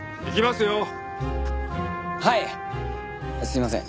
すいません。